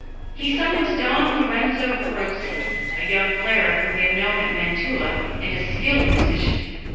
He summoned Don Lorenzo Perosi, a young cleric whom he had known at Mantua and a skilled musician.